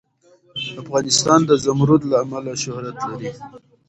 افغانستان د زمرد له امله شهرت لري.